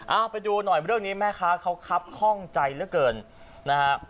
เอาไปดูหน่อยเรื่องนี้แม่ค้าเขาครับคล่องใจเหลือเกินนะฮะ